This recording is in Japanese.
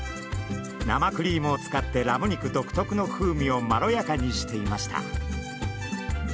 生クリームを使ってラム肉独特の風味をまろやかにしていました。